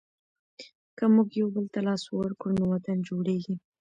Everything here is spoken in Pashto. که موږ یوبل ته لاس ورکړو نو وطن جوړېږي.